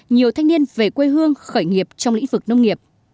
nhiều thanh niên về quê hương khởi nghiệp trong lĩnh vực nông nghiệp